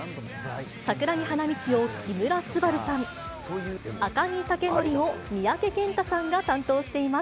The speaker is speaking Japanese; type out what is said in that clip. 桜木花道を木村昴さん、赤木剛憲を三宅健太さんが担当しています。